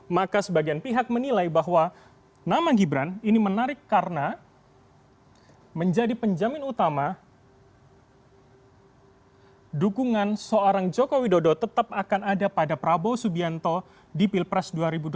maka sebagian pihak menilai bahwa nama gibran ini menarik karena menjadi penjamin utama dukungan seorang jokowi dodo tetap akan ada pada prabowo subianto di pilpres dua ribu dua puluh